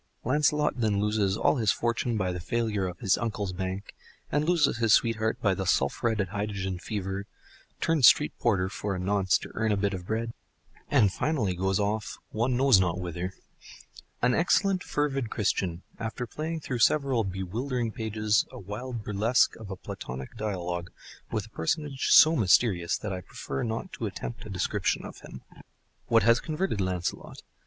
Lancelot then loses all his fortune by the failure of his uncle's bank, and loses his sweetheart by the sulphuretted hydrogen fever; turns street porter for the nonce to earn a bit of bread, and finally goes off one knows not whither; an excellent fervid Christian, after playing through several bewildering pages a wild burlesque of the Platonic dialogue with a personage so mysterious that I prefer not to attempt a description of him. What has converted Lancelot?